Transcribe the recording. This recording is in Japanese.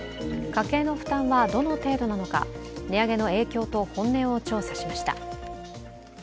家計の負担はどの程度なのか値上げの影響と本音を調査しました。